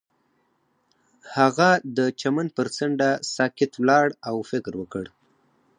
هغه د چمن پر څنډه ساکت ولاړ او فکر وکړ.